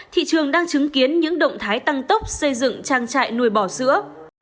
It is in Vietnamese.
thị trường đang chứng kiến những động thái tăng tốc xây dựng trang trại nuôi bò sữa